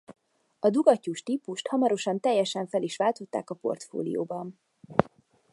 A dugattyús típust hamarosan teljesen fel is váltották a portfólióban.